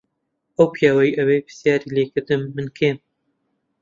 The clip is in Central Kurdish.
ئەو پیاوەی ئەوێ پرسیاری لێ کردم من کێم.